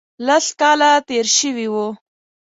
لس کاله تېر شوي وو.